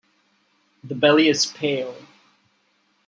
The belly is pale.